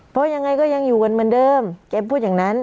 เพราะยังไงก็ยังอยู่กันเหมือนเดิมแกพูดอย่างนั้น